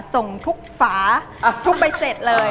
ส่งทุกฝาทุกใบเสร็จเลย